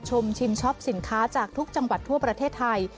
ชิมช็อปสินค้าจากทุกจังหวัดทั่วประเทศไทย